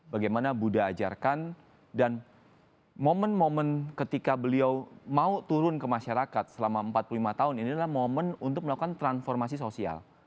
bagaimana buddhajarkan dan momen momen ketika beliau mau turun ke masyarakat selama empat puluh lima tahun ini adalah momen untuk melakukan transformasi sosial